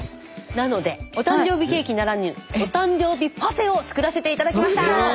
なのでお誕生日ケーキならぬお誕生日パフェを作らせて頂きました！